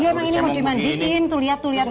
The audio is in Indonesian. iya emang ini mau dimandikin tuh lihat tuh